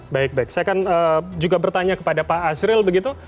baik baik saya akan juga bertanya kepada pak azril begitu